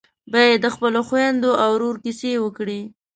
بيا یې د خپلو خويندو او ورور کيسې وکړې.